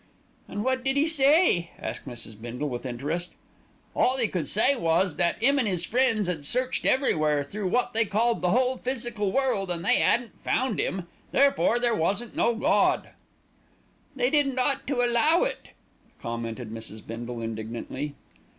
"And what did he say?" asked Mrs. Bindle with interest. "All 'e could say was, that 'im and 'is friends 'ad searched everywhere through wot they called the whole physical world, an' they 'adn't found 'Im, therefore there wasn't no Gawd." "They didn't ought to allow it," commented Mrs. Bindle indignantly.